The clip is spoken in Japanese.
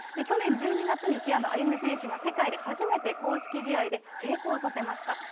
去年１２月に平野歩夢選手が世界で初めて公式試合で成功させました。